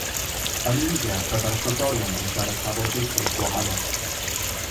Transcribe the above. Yn India byddai'r brodorion yn siarad tafodieithoedd gwahanol.